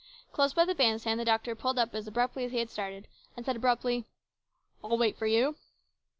Close by the band stand the doctor pulled up as suddenly as he had started, and said abruptly, " I'll wait for you."